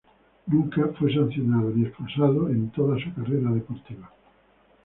Nunca fue sancionado ni expulsado en toda su carrera deportiva.